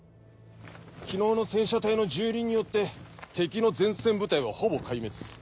昨日の戦車隊の蹂躙によって敵の前線部隊はほぼ壊滅。